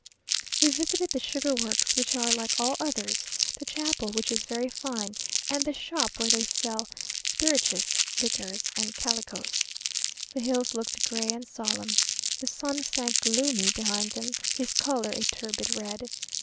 We visited the sugar works, which are like all others, the chapel, which is very fine, and the shop where they sell spirituous liquors and calicoes. The hills looked gray and solemn. The sun sank gloomy behind them, his colour a turbid red.